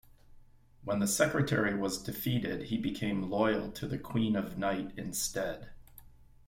When the secretary was defeated, he became loyal to the Queen of Night instead.